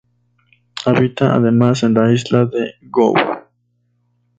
Habita además en la isla de Gough.